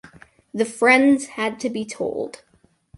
The friends had to be told.